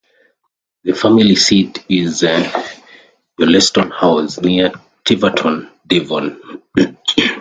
The family seat is Yowlestone House, near Tiverton, Devon.